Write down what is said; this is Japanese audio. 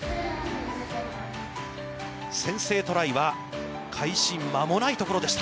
先制トライは開始、間もないところでした。